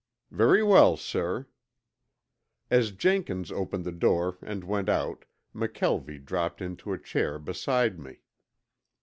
"Very well, sir." As Jenkins opened the door and went out McKelvie dropped into a chair beside me.